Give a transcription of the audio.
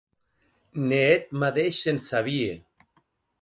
Ne eth madeish se’n sabie.